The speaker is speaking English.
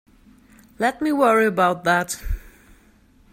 Let me worry about that.